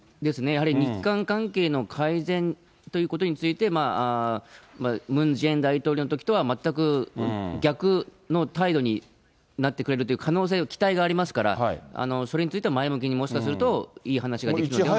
やはり日韓関係の改善ということについて、ムン・ジェイン大統領のときとは全く逆の態度になってくれるという可能性、きたいがありますからそれについては前向きに、もしかすると、いい話ができるかもしれない。